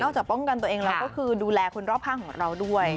จากป้องกันตัวเองแล้วก็คือดูแลคนรอบข้างของเราด้วย